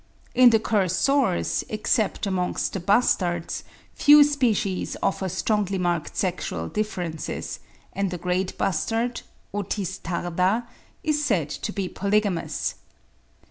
In the Cursores, except amongst the bustards, few species offer strongly marked sexual differences, and the great bustard (Otis tarda) is said to be polygamous.